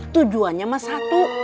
tujuannya mah satu